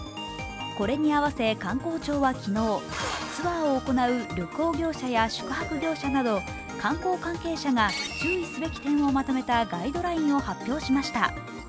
これに合わせ、観光庁は昨日、ツアーを行う旅行業者や宿泊業者など観光関係者が注意すべき点をまとめたガイドラインを発表しました。